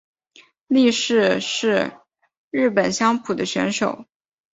力士是日本相扑的选手。